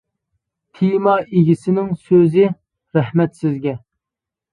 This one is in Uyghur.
تېما ئىگىسىنىڭ سۆزى : رەھمەت سىزگە!